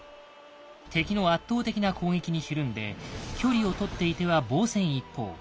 敵の圧倒的な攻撃にひるんで距離をとっていては防戦一方。